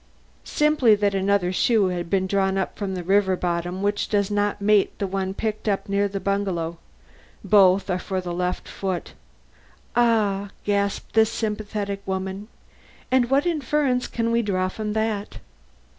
"Simply that another shoe has been drawn up from the river bottom which does not mate the one picked up near the bungalow. Both are for the left foot." "Ah!" gasped this sympathetic woman. "And what inference can we draw from that?"